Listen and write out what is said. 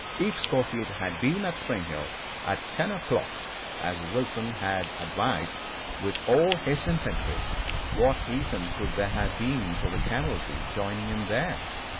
If Schofield had been at Spring Hill at 10 o'clock, as Wilson had advised, with all his infantry, what reason could there have been for the cavalry joining him there?